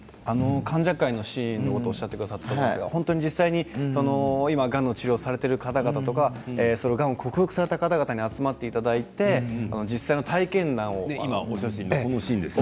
患者会のシーンのことをおっしゃってくださったと思うんですけど実際にがんの治療されている方々やがんを克服された方々に集まっていただいてお写真のシーンですね。